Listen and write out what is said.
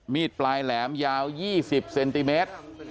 มีดปลายแหลมยาว๒๐เซนติเมตร